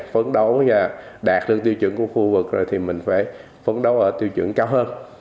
phấn đấu và đạt được tiêu chuẩn của khu vực rồi thì mình phải phấn đấu ở tiêu chuẩn cao hơn